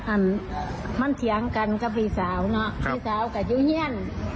มันมันเถียงกันกับพี่สาวเนอะพี่สาวกับยูเยี่ยน